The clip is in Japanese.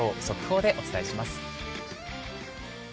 速報でお伝えします。